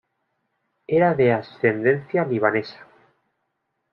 Era de ascendencia libanesa.